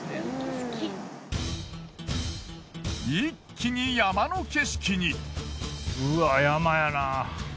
一気に山の景色に。